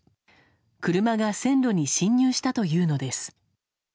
車が線路に進入したというのです。